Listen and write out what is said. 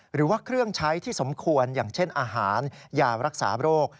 หรือว่าเครื่องใช้ที่สมควรอย่างเช่นอาหารยารักษาโรค